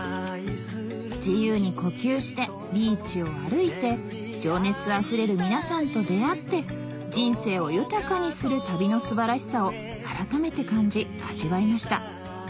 自由に呼吸してビーチを歩いて情熱あふれる皆さんと出会って人生を豊かにする旅の素晴らしさを改めて感じ味わいました